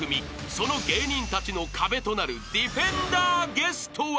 ［その芸人たちの壁となるディフェンダーゲストは］